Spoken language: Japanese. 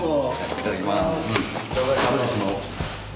いただきます。